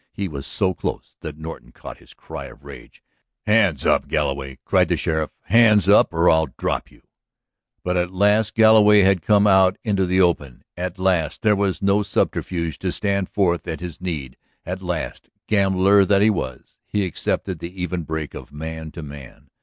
He was so close that Norton caught his cry of rage. "Hands up, Galloway!" cried the sheriff. "Hands up or I'll drop you." But at last Galloway had come out into the open; at last there was no subterfuge to stand forth at his need; at last, gambler that he was, he accepted the even break of man to man.